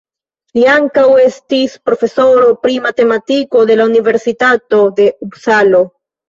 Li ankaŭ estis profesoro pri matematiko de la Universitato de Upsalo.